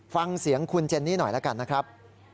ฟังเสียงคุณเจนนี่หน่อยแล้วกันนะครับ